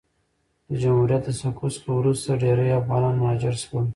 د جمهوریت د سقوط څخه وروسته ډېری افغانان مهاجر سول.